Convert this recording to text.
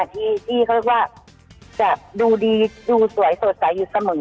ที่จะดูดีดูสวยสวยใสหยุดสม่ง